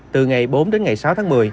từ ngày bốn đến ngày sáu tháng một mươi